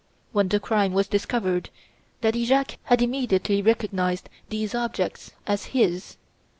When the crime was discovered, Daddy Jacques had immediately recognised these objects as his.